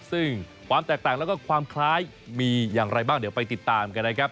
ซึ่งความแตกต่างแล้วก็ความคล้ายมีอย่างไรบ้างเดี๋ยวไปติดตามกันนะครับ